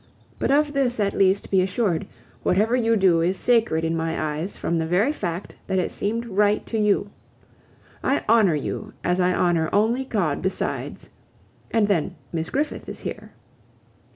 But of this at least be assured, whatever you do is sacred in my eyes from the very fact that it seemed right to you. I honor you as I honor only God besides. And then, Miss Griffith is here."